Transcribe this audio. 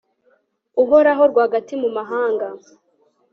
uhoraho, rwagati mu mahanga